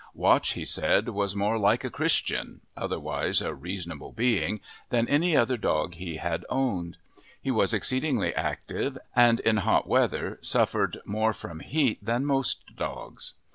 Watch, he said, was more "like a Christian," otherwise a reasonable being, than any other dog he had owned. He was exceedingly active, and in hot weather suffered more from heat than most dogs.